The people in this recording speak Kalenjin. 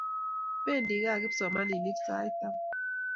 Pendi kaa kipsomaninik sait taman